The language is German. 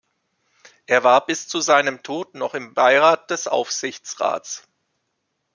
Er war bis zu seinem Tod noch im Beirat des Aufsichtsrates.